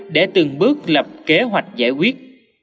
để từng bước lập kế hoạch giải quyết